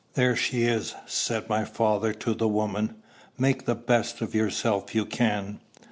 "There she is!" said my father to the woman. "Make the best of yourself you can."